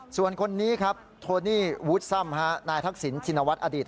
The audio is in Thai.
ส่วนคนนี้ครับโทนี่วูดซ่ำนายทักษิณชินวัฒนอดีต